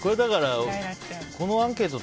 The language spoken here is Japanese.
このアンケート